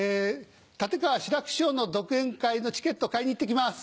好楽師匠の独演会のチケット買いに行って来ます。